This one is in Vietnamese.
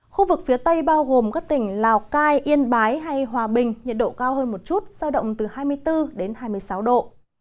khu vực phía tây bao gồm các tỉnh lào cai yên bái hay hòa bình nhiệt độ cao hơn một chút giao động từ hai mươi bốn đến hai mươi sáu độ